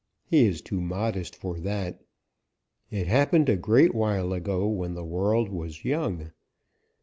He is too modest for that. It happened a great while ago when the world was young.